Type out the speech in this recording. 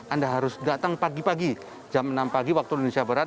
anda harus datang pagi pagi jam enam pagi waktu indonesia barat